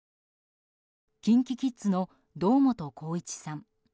ＫｉｎＫｉＫｉｄｓの堂本光一さん